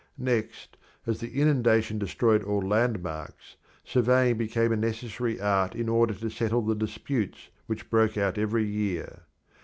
Next, as the inundation destroyed all landmarks, surveying became a necessary art in order to settle the disputes which broke out every year.